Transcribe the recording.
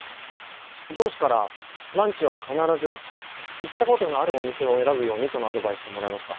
上司からランチは必ず行ったことのあるお店を選ぶようにとのアドバイスをもらいました。